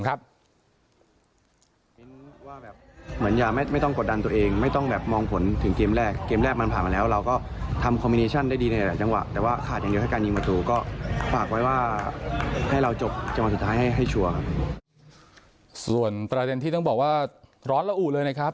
ส่วนประเด็นที่ต้องบอกว่าร้อนละอุเลยนะครับ